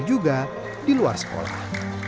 dan juga di luar sekolah